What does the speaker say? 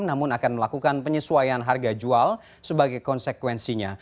namun akan melakukan penyesuaian harga jual sebagai konsekuensinya